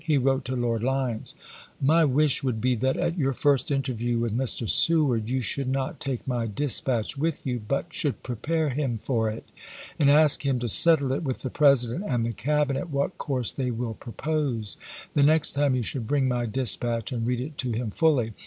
He wrote to Lord Lyons : My wish would be that at your first interview with Mr. Seward you should not take my dispatch with you, but should prepare him for it and ask him to settle it with the President and the Cabinet what course they wUl pro pose. The next time you should bring my dispatch and read it to him fully.